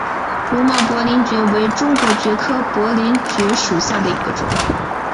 绒毛薄鳞蕨为中国蕨科薄鳞蕨属下的一个种。